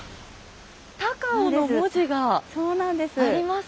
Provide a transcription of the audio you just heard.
高尾の文字があります。